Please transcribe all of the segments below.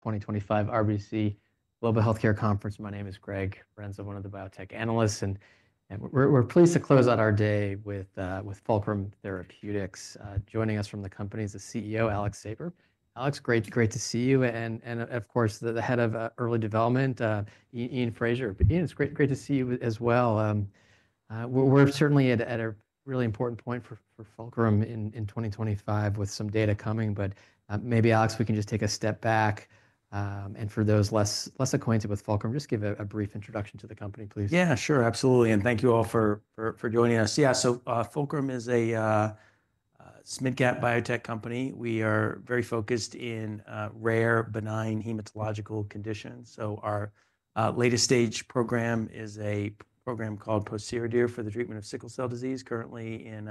2025 RBC Global Healthcare Conference. My name is Greg Brunzo, one of the Biotech Analysts, and we're pleased to close out our day with Fulcrum Therapeutics. Joining us from the company is the CEO, Alex Sapir. Alex, great to see you. And of course, the Head of Early Development, Iain Fraser. Iain, it's great to see you as well. We're certainly at a really important point for Fulcrum in 2025 with some data coming. But maybe, Alex, we can just take a step back. And for those less acquainted with Fulcrum, just give a brief introduction to the company, please. Yeah, sure. Absolutely. Thank you all for joining us. Yeah, Fulcrum is a smidget Biotech Company. We are very focused in rare, benign hematological conditions. Our latest stage program is a program called Pociredir for the treatment of sickle cell disease, currently in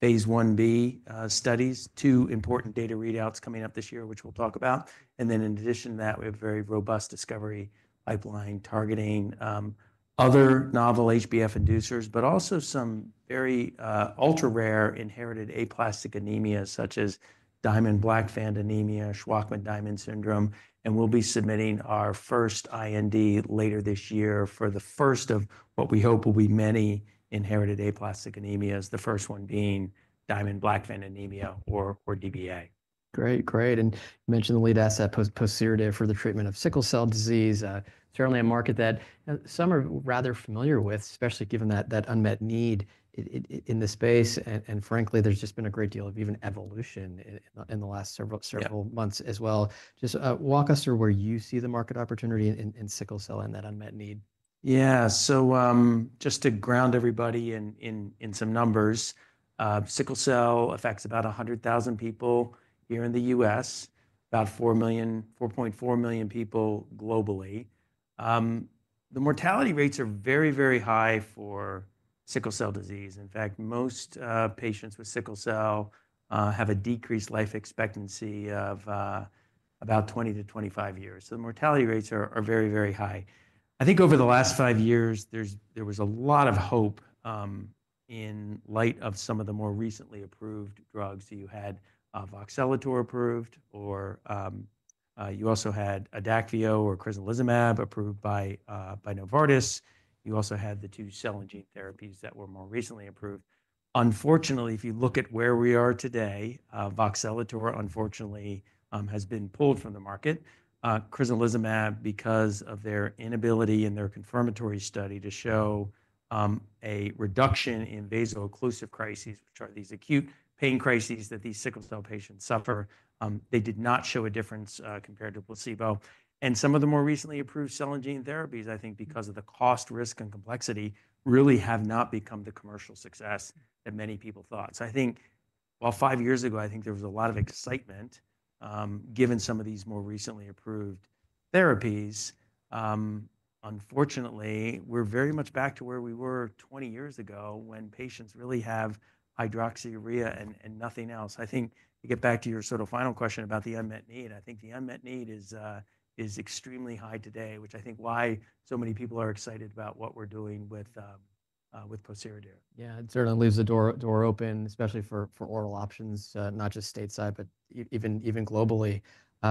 phase 1B studies. Two important data readouts coming up this year, which we'll talk about. In addition to that, we have a very robust discovery pipeline targeting other novel HBG inducers, but also some very ultra-rare inherited aplastic anemia, such as Diamond-Blackfan anemia, Shwachman-Diamond syndrome. We'll be submitting our first IND later this year for the first of what we hope will be many inherited aplastic anemias, the first one being Diamond-Blackfan anemia or DBA. Great, great. You mentioned the lead asset, Pociredir, for the treatment of sickle cell disease. Certainly a market that some are rather familiar with, especially given that unmet need in the space. Frankly, there's just been a great deal of even evolution in the last several months as well. Just walk us through where you see the market opportunity in sickle cell and that unmet need. Yeah, so just to ground everybody in some numbers, sickle cell affects about 100,000 people here in the U.S., about 4.4 million people globally. The mortality rates are very, very high for sickle cell disease. In fact, most patients with sickle cell have a decreased life expectancy of about 20-25 years. The mortality rates are very, very high. I think over the last five years, there was a lot of hope in light of some of the more recently approved drugs. You had Voxelotor approved, or you also had Adakveo or Crizanlizumab approved by Novartis. You also had the two cell and gene therapies that were more recently approved. Unfortunately, if you look at where we are today, Voxelotor, unfortunately, has been pulled from the market. Crizanlizumab, because of their inability in their confirmatory study to show a reduction in vaso-occlusive crises, which are these acute pain crises that these sickle cell patients suffer, they did not show a difference compared to placebo. Some of the more recently approved cell and gene therapies, I think because of the cost, risk, and complexity, really have not become the commercial success that many people thought. I think while five years ago, I think there was a lot of excitement given some of these more recently approved therapies, unfortunately, we are very much back to where we were 20 years ago when patients really have Hydroxyurea and nothing else. I think to get back to your sort of final question about the unmet need, I think the unmet need is extremely high today, which I think is why so many people are excited about what we are doing with Pociredir. Yeah, it certainly leaves the door open, especially for oral options, not just stateside, but even globally.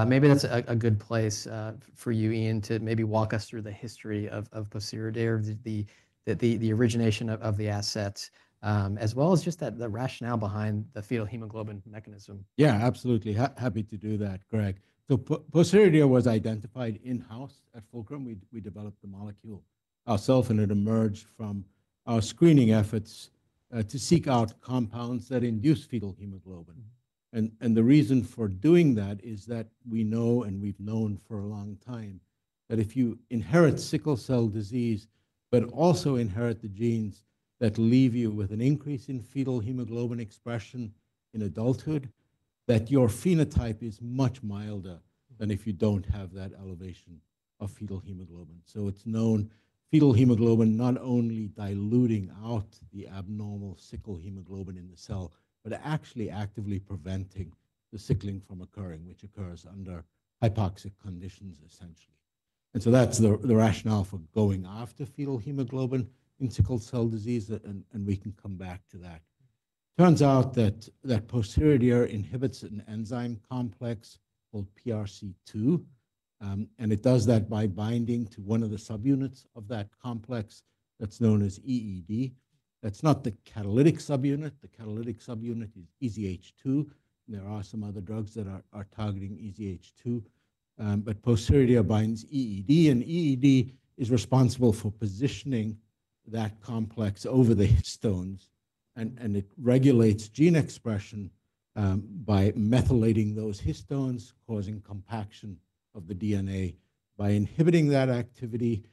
Maybe that's a good place for you, Iain, to maybe walk us through the history of Pociredir, the origination of the assets, as well as just the rationale behind the fetal hemoglobin mechanism. Yeah, absolutely. Happy to do that, Greg. So Pociredir was identified in-house at Fulcrum. We developed the molecule ourselves, and it emerged from our screening efforts to seek out compounds that induce fetal hemoglobin. The reason for doing that is that we know, and we've known for a long time, that if you inherit sickle cell disease but also inherit the genes that leave you with an increase in fetal hemoglobin expression in adulthood, your phenotype is much milder than if you do not have that elevation of fetal hemoglobin. It is known fetal hemoglobin not only dilutes out the abnormal sickle hemoglobin in the cell, but actually actively prevents the sickling from occurring, which occurs under hypoxic conditions, essentially. That is the rationale for going after fetal hemoglobin in sickle cell disease, and we can come back to that. Turns out that Pociredir inhibits an enzyme complex called PRC2, and it does that by binding to one of the subunits of that complex that's known as EED. That's not the catalytic subunit. The catalytic subunit is EZH2. There are some other drugs that are targeting EZH2, but Pociredir binds EED, and EED is responsible for positioning that complex over the histones. It regulates gene expression by methylating those histones, causing compaction of the DNA. By inhibiting that activity,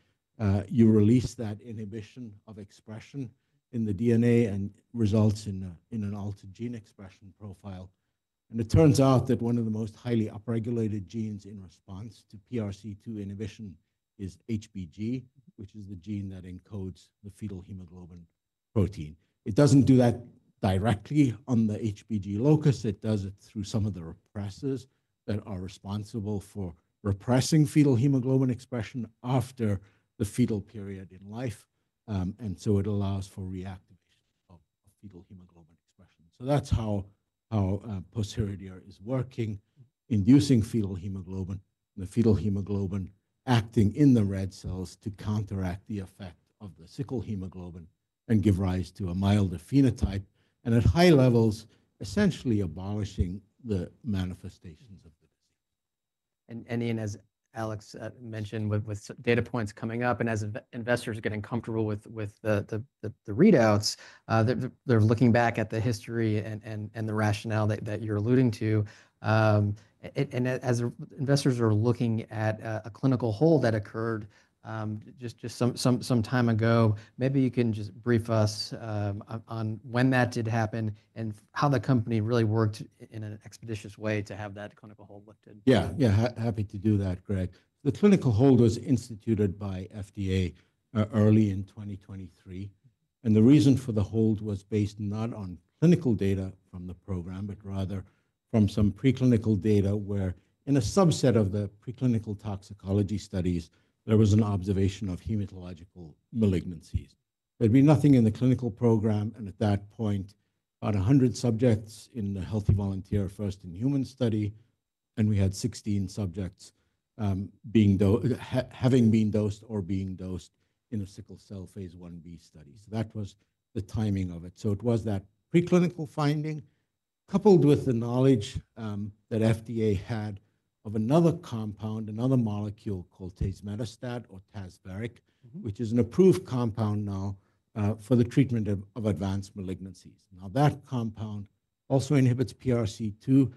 you release that inhibition of expression in the DNA and it results in an altered gene expression profile. It turns out that one of the most highly upregulated genes in response to PRC2 inhibition is HBG, which is the gene that encodes the fetal hemoglobin protein. It doesn't do that directly on the HBG locus. It does it through some of the repressors that are responsible for repressing fetal hemoglobin expression after the fetal period in life. It allows for reactivation of fetal hemoglobin expression. That is how Pociredir is working, inducing fetal hemoglobin and the fetal hemoglobin acting in the red cells to counteract the effect of the sickle hemoglobin and give rise to a milder phenotype. At high levels, essentially abolishing the manifestations of the disease. Iain, as Alex mentioned, with data points coming up and as investors getting comfortable with the readouts, they're looking back at the history and the rationale that you're alluding to. As investors are looking at a clinical hold that occurred just some time ago, maybe you can just brief us on when that did happen and how the company really worked in an expeditious way to have that clinical hold lifted. Yeah, yeah, happy to do that, Greg. The clinical hold was instituted by FDA early in 2023. The reason for the hold was based not on clinical data from the program, but rather from some preclinical data where in a subset of the preclinical toxicology studies, there was an observation of hematological malignancies. There'd be nothing in the clinical program. At that point, about 100 subjects in the Healthy Volunteer First in Humans study, and we had 16 subjects having been dosed or being dosed in a sickle cell phase 1B study. That was the timing of it. It was that preclinical finding coupled with the knowledge that FDA had of another compound, another molecule called tazemetostat or Tazverik, which is an approved compound now for the treatment of advanced malignancies. Now, that compound also inhibits PRC2,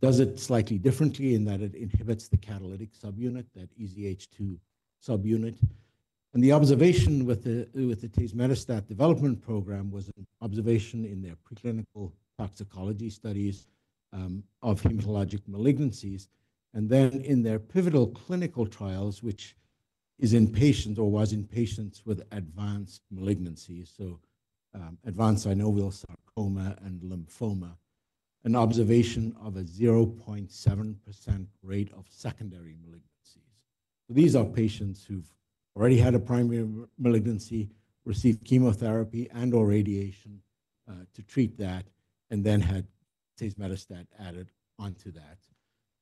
does it slightly differently in that it inhibits the catalytic subunit, that EZH2 subunit. The observation with the tazemetostat development program was an observation in their preclinical toxicology studies of hematologic malignancies. In their pivotal clinical trials, which is in patients or was in patients with advanced malignancies, so advanced synovial sarcoma and lymphoma, an observation of a 0.7% rate of secondary malignancies. These are patients who've already had a primary malignancy, received chemotherapy and/or radiation to treat that, and then had tazemetostat added onto that.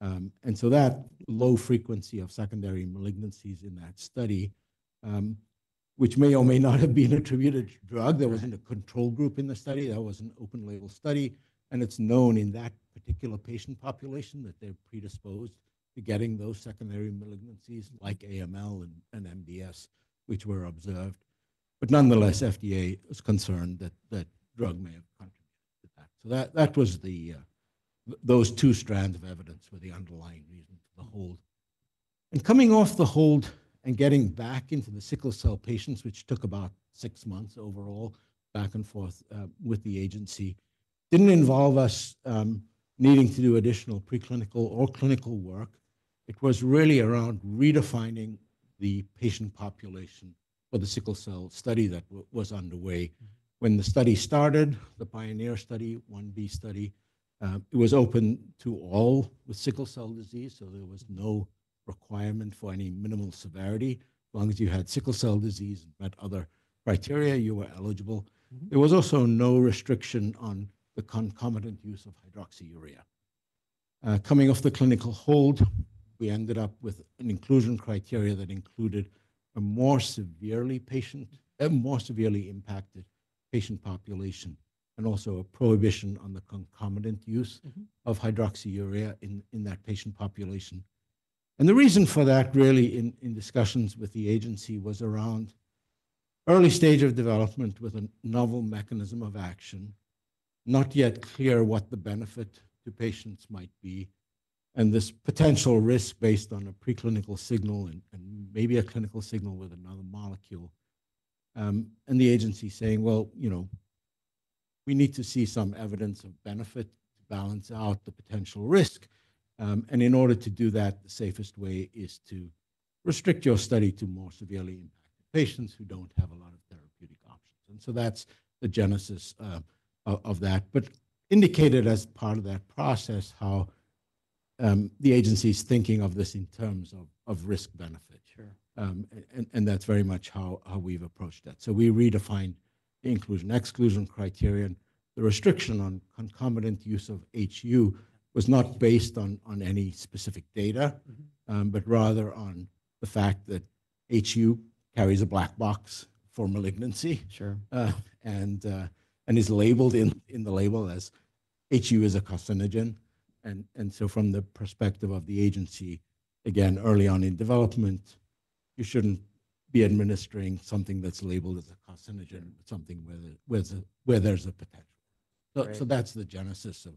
That low frequency of secondary malignancies in that study, which may or may not have been attributed to drug, there wasn't a control group in the study. That was an open label study. It is known in that particular patient population that they are predisposed to getting those secondary malignancies like AML and MDS, which were observed. Nonetheless, FDA was concerned that drug may have contributed to that. Those two strands of evidence were the underlying reason for the hold. Coming off the hold and getting back into the sickle cell patients, which took about six months overall back and forth with the agency, did not involve us needing to do additional preclinical or clinical work. It was really around redefining the patient population for the sickle cell study that was underway. When the study started, the PIONEER study, phase 1B study, it was open to all with sickle cell disease. There was no requirement for any minimal severity. As long as you had sickle cell disease and met other criteria, you were eligible. There was also no restriction on the concomitant use of hydroxyurea. Coming off the clinical hold, we ended up with an inclusion criteria that included a more severely impacted patient population and also a prohibition on the concomitant use of Hydroxyurea in that patient population. The reason for that really in discussions with the agency was around early stage of development with a novel mechanism of action, not yet clear what the benefit to patients might be, and this potential risk based on a preclinical signal and maybe a clinical signal with another molecule. The agency saying, you know we need to see some evidence of benefit to balance out the potential risk. In order to do that, the safest way is to restrict your study to more severely impacted patients who do not have a lot of therapeutic options. That is the genesis of that. Indicated as part of that process how the agency's thinking of this in terms of risk-benefit. That's very much how we've approached that. We redefined the inclusion-exclusion criterion. The restriction on concomitant use of HU was not based on any specific data, but rather on the fact that HU carries a black box for malignancy and is labeled in the label as HU is a carcinogen. From the perspective of the agency, again, early on in development, you shouldn't be administering something that's labeled as a carcinogen, something where there's a potential. That's the genesis of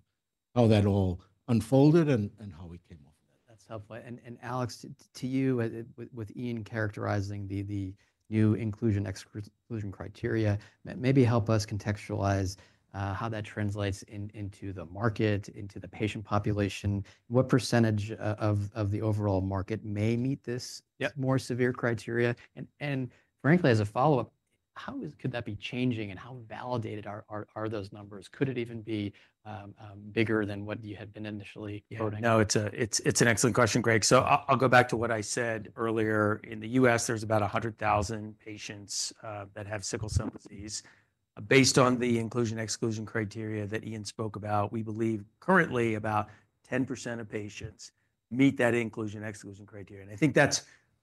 how that all unfolded and how we came off of that. That's helpful. Alex, to you, with Iain characterizing the new inclusion-exclusion criteria, maybe help us contextualize how that translates into the market, into the patient population. What percentage of the overall market may meet this more severe criteria? Frankly, as a follow-up, how could that be changing and how validated are those numbers? Could it even be bigger than what you had been initially quoting? Yeah, no, it's an excellent question, Greg. I'll go back to what I said earlier. In the US, there's about 100,000 patients that have sickle cell disease. Based on the inclusion-exclusion criteria that Iain spoke about, we believe currently about 10% of patients meet that inclusion-exclusion criteria. I think that's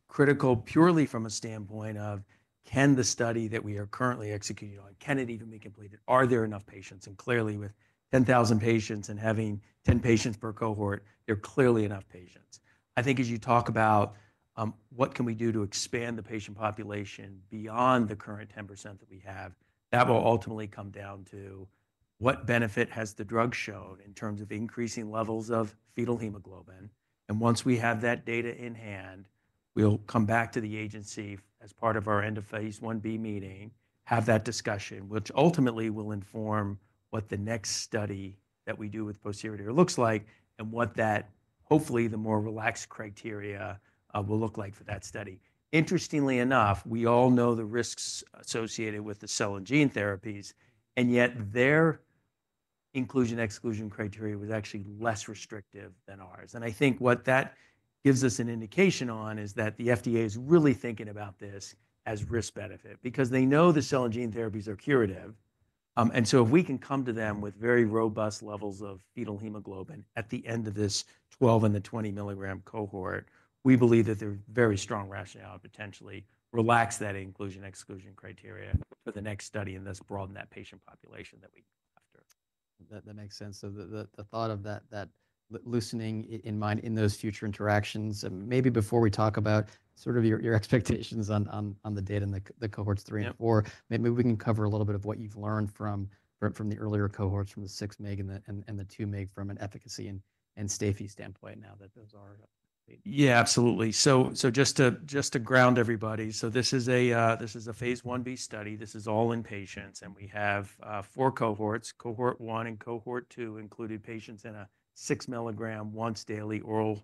critical purely from a standpoint of, can the study that we are currently executing on, can it even be completed? Are there enough patients? Clearly, with 10,000 patients and having 10 patients per cohort, there are clearly enough patients. I think as you talk about what can we do to expand the patient population beyond the current 10% that we have, that will ultimately come down to what benefit has the drug shown in terms of increasing levels of fetal hemoglobin. Once we have that data in hand, we'll come back to the agency as part of our end of phase 1B meeting, have that discussion, which ultimately will inform what the next study that we do with Pociredir looks like and what that, hopefully, the more relaxed criteria will look like for that study. Interestingly enough, we all know the risks associated with the cell and gene therapies, and yet their inclusion-exclusion criteria was actually less restrictive than ours. I think what that gives us an indication on is that the FDA is really thinking about this as risk-benefit because they know the cell and gene therapies are curative. If we can come to them with very robust levels of fetal hemoglobin at the end of this 12 and the 20 milligram cohort, we believe that there's very strong rationale to potentially relax that inclusion-exclusion criteria for the next study and thus broaden that patient population that we go after. That makes sense. The thought of that loosening in mind in those future interactions, maybe before we talk about sort of your expectations on the data in the cohorts three and four, maybe we can cover a little bit of what you've learned from the earlier cohorts, from the six meg and the two meg from an efficacy and safety standpoint now that those are. Yeah, absolutely. Just to ground everybody, this is a phase 1B study. This is all in patients, and we have four cohorts. Cohort one and cohort two included patients in a 6 milligram once daily oral,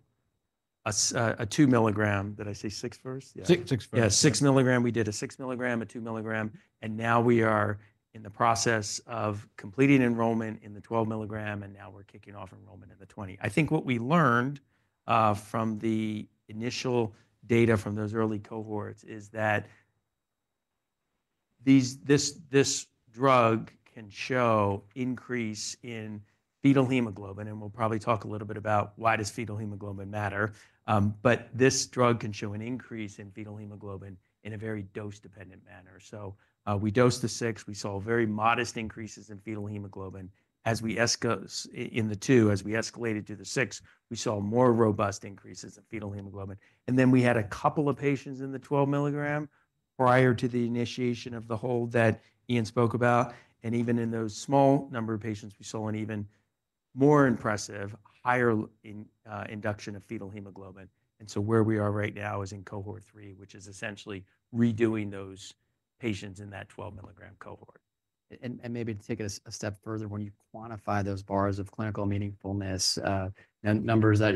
a 2 milligram. Did I say 6 first? Six. Yeah, six milligram. We did a six milligram, a two milligram, and now we are in the process of completing enrollment in the 12 milligram, and now we're kicking off enrollment in the 20. I think what we learned from the initial data from those early cohorts is that this drug can show increase in fetal hemoglobin, and we'll probably talk a little bit about why does fetal hemoglobin matter, but this drug can show an increase in fetal hemoglobin in a very dose-dependent manner. We dosed the six. We saw very modest increases in fetal hemoglobin. In the two, as we escalated to the six, we saw more robust increases in fetal hemoglobin. Then we had a couple of patients in the 12 milligram prior to the initiation of the hold that Iain spoke about. Even in those small number of patients, we saw an even more impressive higher induction of fetal hemoglobin. Where we are right now is in cohort three, which is essentially redoing those patients in that 12 milligram cohort. Maybe to take it a step further, when you quantify those bars of clinical meaningfulness, numbers that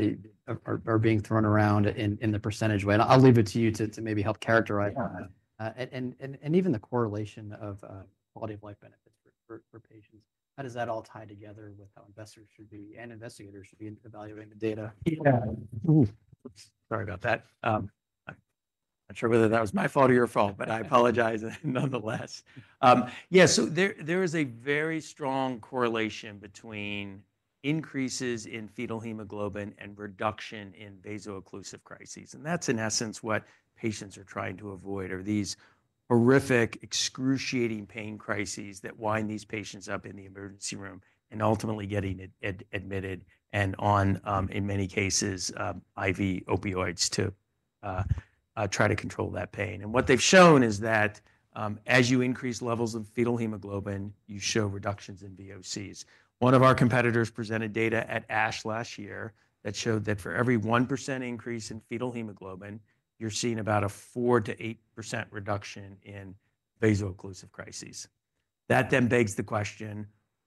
are being thrown around in the % way, and I'll leave it to you to maybe help characterize that. Even the correlation of quality of life benefits for patients, how does that all tie together with how investors should be and investigators should be evaluating the data? Sorry about that. I'm not sure whether that was my fault or your fault, but I apologize nonetheless. Yeah, there is a very strong correlation between increases in fetal hemoglobin and reduction in vaso-occlusive crises. That's in essence what patients are trying to avoid, these horrific, excruciating pain crises that wind these patients up in the emergency room and ultimately getting admitted and, in many cases, IV opioids to try to control that pain. What they've shown is that as you increase levels of fetal hemoglobin, you show reductions in VOCs. One of our competitors presented data at ASH last year that showed that for every 1% increase in fetal hemoglobin, you're seeing about a 4%-8% reduction in vaso-occlusive crises. That then begs the question,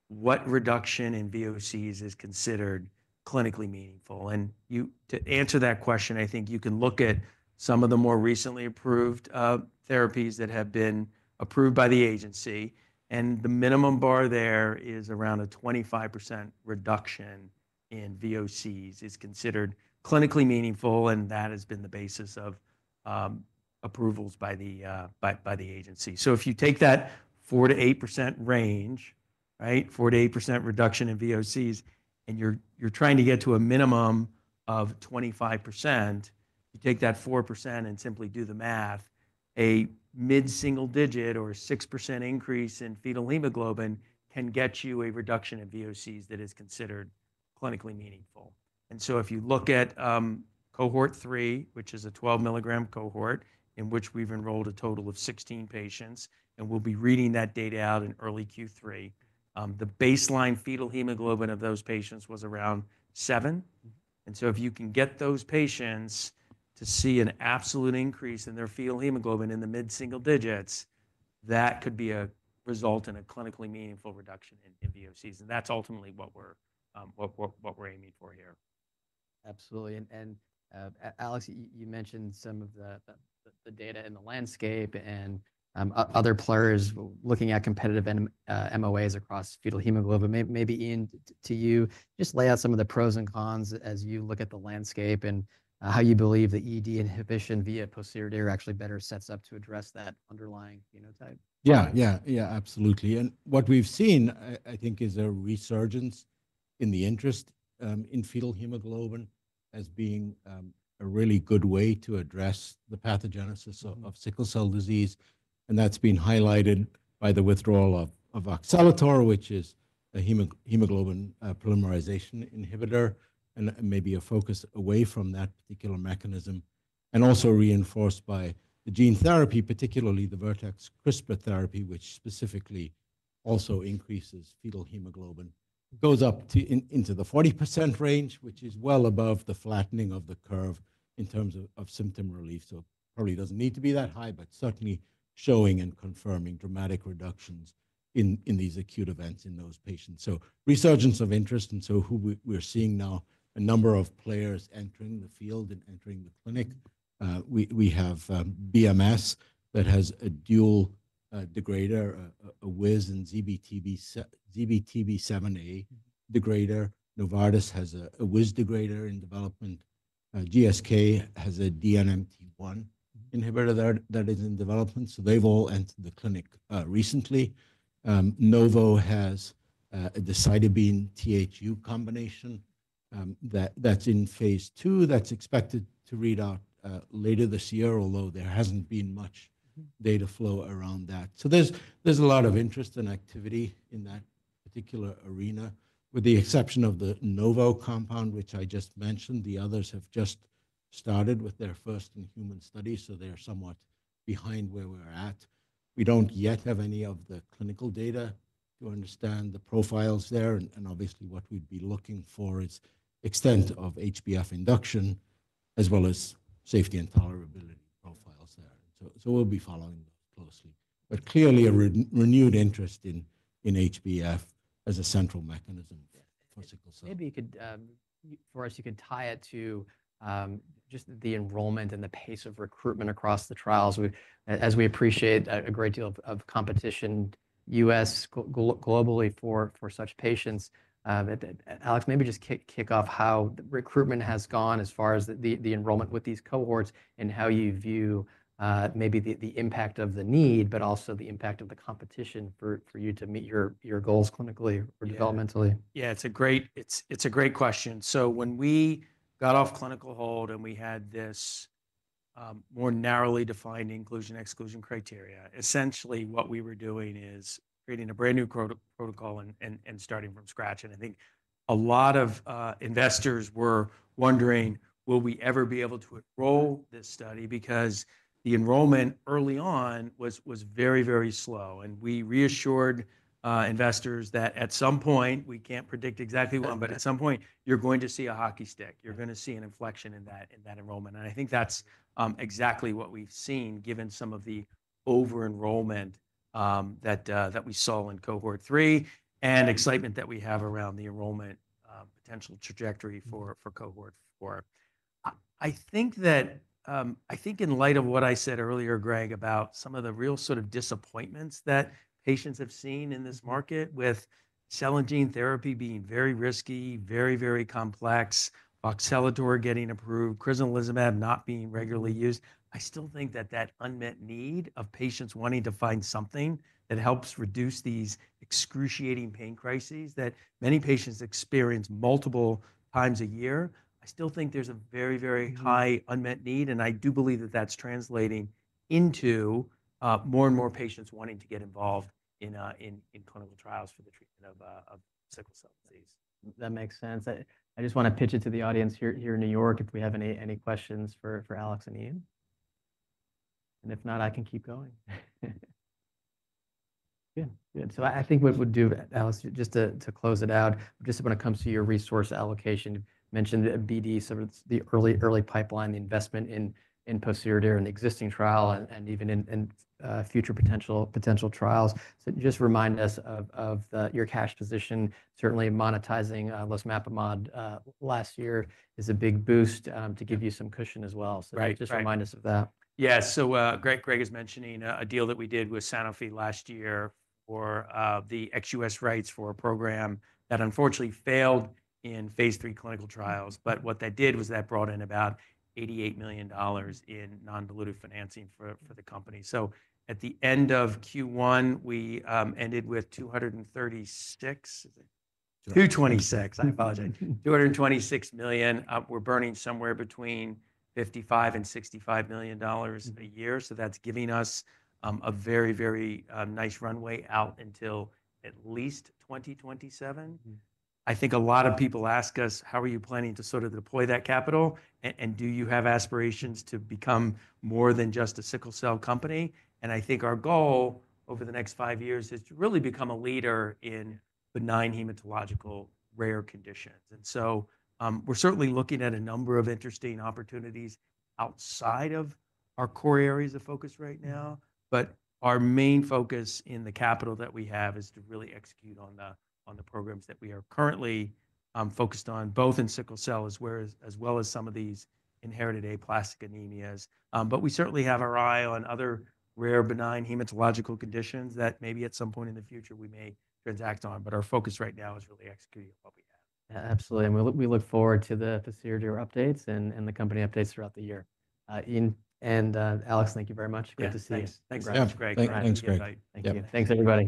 what reduction in VOCs is considered clinically meaningful? To answer that question, I think you can look at some of the more recently approved therapies that have been approved by the agency. The minimum bar there is around a 25% reduction in VOCs is considered clinically meaningful, and that has been the basis of approvals by the agency. If you take that 4%-8% range, right, 4%-8% reduction in VOCs, and you're trying to get to a minimum of 25%, you take that 4% and simply do the math, a mid-single digit or 6% increase in fetal hemoglobin can get you a reduction in VOCs that is considered clinically meaningful. If you look at cohort three, which is a 12 milligram cohort in which we've enrolled a total of 16 patients, and we'll be reading that data out in early Q3, the baseline fetal hemoglobin of those patients was around seven. If you can get those patients to see an absolute increase in their fetal hemoglobin in the mid-single digits, that could be a result in a clinically meaningful reduction in VOCs. That's ultimately what we're aiming for here. Absolutely. Alex, you mentioned some of the data in the landscape and other players looking at competitive MOAs across fetal hemoglobin. Maybe Iain, to you, just lay out some of the pros and cons as you look at the landscape and how you believe the EED inhibition via Pociredir actually better sets up to address that underlying phenotype. Yeah, absolutely. And what we've seen, I think, is a resurgence in the interest in fetal hemoglobin as being a really good way to address the pathogenesis of sickle cell disease. And that's been highlighted by the withdrawal of Voxelotor, which is a hemoglobin polymerization inhibitor and maybe a focus away from that particular mechanism, and also reinforced by the gene therapy, particularly the Vertex CRISPR therapy, which specifically also increases fetal hemoglobin. It goes up into the 40% range, which is well above the flattening of the curve in terms of symptom relief. It probably doesn't need to be that high, but certainly showing and confirming dramatic reductions in these acute events in those patients. Resurgence of interest. We're seeing now a number of players entering the field and entering the clinic. We have BMS that has a dual degrader, a WIS and ZBTB7A degrader. Novartis has a WIS degrader in development. GSK has a DNMT1 inhibitor that is in development. They have all entered the clinic recently. Novo has a decitabine-THU combination that is in phase two that is expected to read out later this year, although there has not been much data flow around that. There is a lot of interest and activity in that particular arena with the exception of the Novo compound, which I just mentioned. The others have just started with their first in human study, so they are somewhat behind where we are at. We do not yet have any of the clinical data to understand the profiles there. Obviously, what we would be looking for is extent of HBF induction as well as safety and tolerability profiles there. We will be following those closely. Clearly, a renewed interest in HbF as a central mechanism for sickle cell. Maybe you could, for us, you could tie it to just the enrollment and the pace of recruitment across the trials. As we appreciate a great deal of competition, US globally for such patients. Alex, maybe just kick off how recruitment has gone as far as the enrollment with these cohorts and how you view maybe the impact of the need, but also the impact of the competition for you to meet your goals clinically or developmentally. Yeah, it's a great question. When we got off clinical hold and we had this more narrowly defined inclusion-exclusion criteria, essentially what we were doing is creating a brand new protocol and starting from scratch. I think a lot of investors were wondering, will we ever be able to enroll this study? Because the enrollment early on was very, very slow. We reassured investors that at some point, we can't predict exactly when, but at some point, you're going to see a hockey stick. You're going to see an inflection in that enrollment. I think that's exactly what we've seen given some of the over-enrollment that we saw in cohort three and excitement that we have around the enrollment potential trajectory for cohort four. I think in light of what I said earlier, Greg, about some of the real sort of disappointments that patients have seen in this market with cell and gene therapy being very risky, very, very complex, Voxelotor getting approved, Crizanlizumab not being regularly used, I still think that that unmet need of patients wanting to find something that helps reduce these excruciating pain crises that many patients experience multiple times a year, I still think there's a very, very high unmet need. I do believe that that's translating into more and more patients wanting to get involved in clinical trials for the treatment of sickle cell disease. That makes sense. I just want to pitch it to the audience here in New York if we have any questions for Alex and Iain. If not, I can keep going. Good. Good. I think what we will do, Alex, just to close it out, just when it comes to your resource allocation, you mentioned BD, sort of the early pipeline, the investment in Pociredir and existing trial and even in future potential trials. Just remind us of your cash position. Certainly, monetizing losmapimod last year is a big boost to give you some cushion as well. Just remind us of that. Yeah. Greg is mentioning a deal that we did with Sanofi last year for the ex-U.S. rights for a program that unfortunately failed in phase three clinical trials. What that did was that brought in about $88 million in non-dilutive financing for the company. At the end of Q1, we ended with $236, $226, I apologize, $226 million. We're burning somewhere between $55-$65 million a year. That's giving us a very, very nice runway out until at least 2027. I think a lot of people ask us, how are you planning to sort of deploy that capital? Do you have aspirations to become more than just a sickle cell company? I think our goal over the next five years is to really become a leader in benign hematological rare conditions. We are certainly looking at a number of interesting opportunities outside of our core areas of focus right now. Our main focus and the capital that we have is to really execute on the programs that we are currently focused on, both in sickle cell as well as some of these inherited aplastic anemias. We certainly have our eye on other rare benign hematological conditions that maybe at some point in the future we may transact on. Our focus right now is really executing what we have. Absolutely. We look forward to the posterior updates and the company updates throughout the year. Iain and Alex, thank you very much. Good to see you. Thanks, Greg. Thank you. Thanks, everybody.